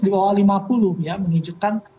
di bawah lima puluh ya menunjukkan